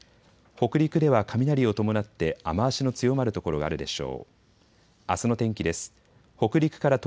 北陸では雷を伴って雨足の強まる所があるでしょう。